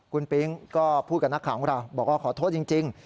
คุณปิ๊งก็พูดกับนักข่าวของเราบอกว่าขอโทษจริง